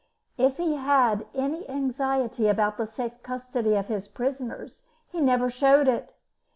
If he had any anxiety about the safe custody of his prisoners he never showed it.